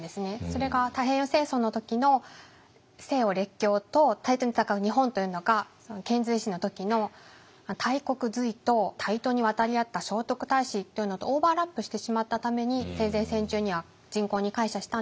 それが太平洋戦争の時の西洋列強と対等に戦う日本というのが遣隋使の時の大国隋と対等に渡り合った聖徳太子というのとオーバーラップしてしまったために戦前戦中には人口に膾炙したんですけども。